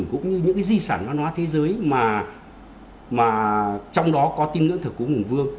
cũng như những di sản văn hóa thế giới mà trong đó có tin ngưỡng thờ cúng hùng vương